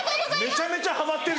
めちゃめちゃハマってる。